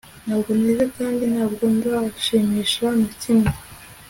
ntabwo nteze kandi ntabwo nzashimisha na kimwe